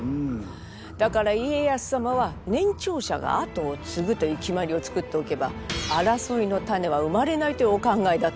だから家康様は年長者があとを継ぐという決まりを作っておけば争いの種は生まれないというお考えだったのね。